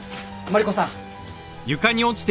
マリコさん。